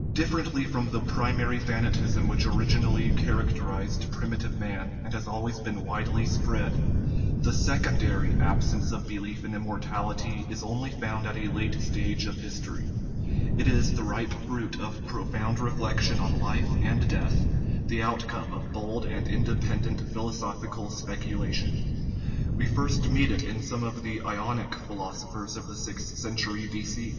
Differently from the primary thanatism which orig inally characterized primitive man, and has always been widely spread, the secondary absence of belief * E. Haeckel, A Visit to Ceylon. 192 THE IMMORTALITY OF THE SOUL in immortality is only found at a late stage of history : it is the ripe fruit of profound reflection on life and death, the outcome of bold and independent philosophical speculation. We first meet it in some of the Ionic phi losophers of the sixth century B.C.